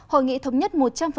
hội nghị thống nhất một trăm linh